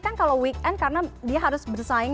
kan kalau weekend karena dia harus bersaing